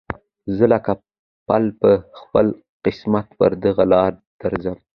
زه لکه پل په خپل قسمت پر دغه لاره درځم